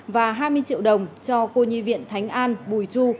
và hai mươi triệu đồng cho cô nhi viện thánh an bùi chu